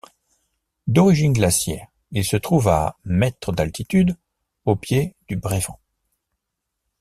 D'origine glaciaire, il se trouve à mètres d'altitude, au pied du Brévent.